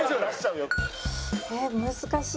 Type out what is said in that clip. えっ難しい。